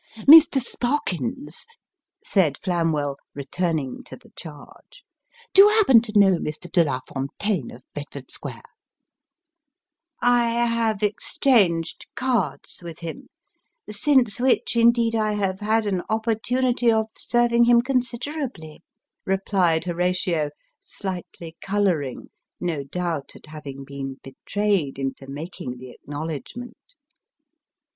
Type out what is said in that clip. " Mr. Sparkins," said Flamwell, returning to the charge, " do you happen to know Mr. Delafontaine, of Bedford Square ?"" I have exhanged cards with him ; since which, indeed, I have had an opportunity of serving him considerably," replied Horatio, slightly colouring ; no doubt, at having been betrayed into making the acknow ledgment.